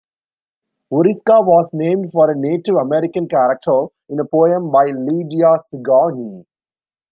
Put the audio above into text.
Oriska was named for a Native American character in a poem by Lydia Sigourney.